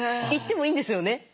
行ってもいいんですよね？